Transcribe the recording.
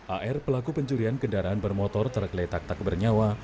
ar pelaku pencurian kendaraan bermotor tergeletak tak bernyawa